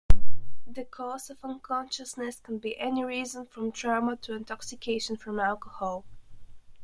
The cause of unconsciousness can be any reason from trauma to intoxication from alcohol.